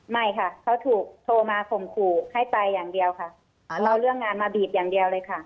ไม่ค่ะเขาถูกโทรมาข่มขู่ให้ไปอย่างเดียวค่ะเอาเรื่องงานมาบีบอย่างเดียวเลยค่ะ